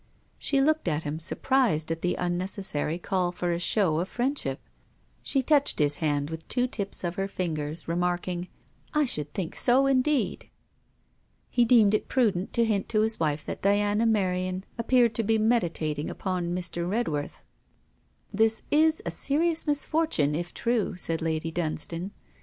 She looked at him surprised at the unnecessary call for a show, of friendship; she touched his hand with two tips of her fingers, remarking, 'I should think so, indeed.' He deemed it prudent to hint to his wife that Diana Merion appeared to be meditating upon Mr. Redworth. 'That is a serious misfortune, if true,' said Lady Dunstane.